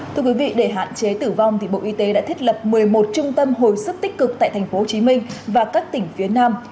thưa quý vị để hạn chế tử vong bộ y tế đã thiết lập một mươi một trung tâm hồi sức tích cực tại tp hcm và các tỉnh phía nam